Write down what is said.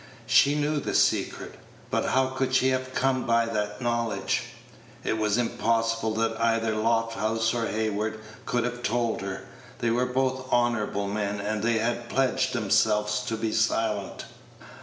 She knew the secret. But how could she have come by that knowledge? It was impossible that either Lofthouse or Hayward could have told her. They were both honorable men, and they had pledged themselves to be silent.